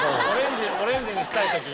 オレンジにしたいとき？